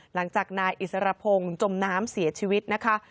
หลังจากนายอิสรพงศ์จมน้ำเสียชีวิตนะคะ